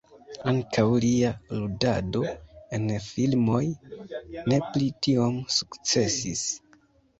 Ankaŭ lia ludado en filmoj ne pli tiom sukcesis.